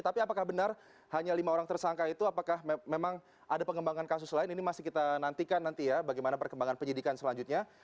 tapi apakah benar hanya lima orang tersangka itu apakah memang ada pengembangan kasus lain ini masih kita nantikan nanti ya bagaimana perkembangan penyidikan selanjutnya